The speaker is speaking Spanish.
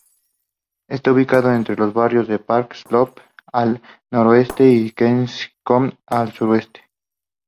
Está ubicado entre los barrios de Park Slope al noroeste y Kensington al sureste.